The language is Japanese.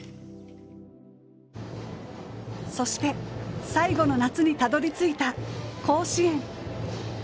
そして、最後の夏にたどり着いた甲子園。